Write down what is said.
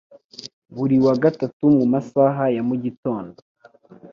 buri wa gatatu mu masaha ya mu gitondo